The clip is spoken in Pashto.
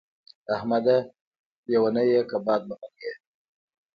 احمده! لېونی يې که باد وهلی يې.